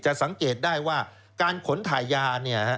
จะสังเกตได้ว่าการขนถ่ายยา